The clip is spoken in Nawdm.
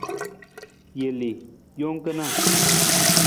Jelii, jang kana.